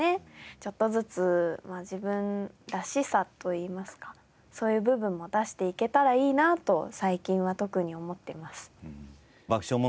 ちょっとずつ自分らしさといいますかそういう部分も出していけたらいいなと最近は特に思ってます。